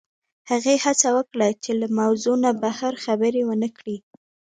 هغې هڅه وکړه چې له موضوع نه بهر خبرې ونه کړي